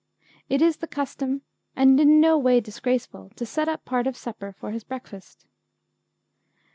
'It is the custom and in no way disgraceful to set up part of supper for his breakfast.